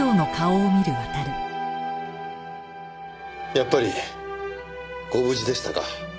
やっぱりご無事でしたか。